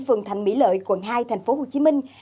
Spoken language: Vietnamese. phường thành mỹ lợi quận hai thành phố hồ chí minh